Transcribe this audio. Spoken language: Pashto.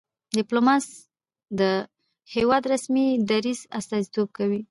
ډيپلومات د هېواد د رسمي دریځ استازیتوب کوي.